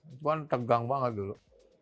itu kan tegang banget dulu